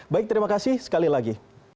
baik terima kasih sekali lagi